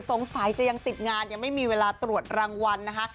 สงสัยจะยังติดงานยังไม่มีเวลาตรวจรางวัลนะคะ